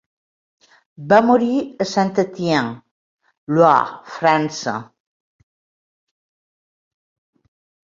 Va morir a Saint-Étienne, Loira, França.